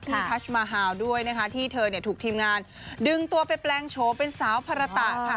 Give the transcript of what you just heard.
ทัชมาฮาวด้วยนะคะที่เธอถูกทีมงานดึงตัวไปแปลงโชว์เป็นสาวภาระตะค่ะ